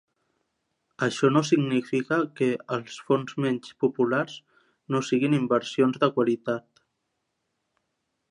Això no significa que els fons menys populars no siguin inversions de qualitat.